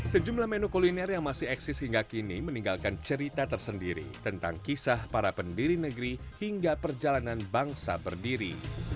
sejumlah menu kuliner yang masih eksis hingga kini meninggalkan cerita tersendiri tentang kisah para pendiri negeri hingga perjalanan bangsa berdiri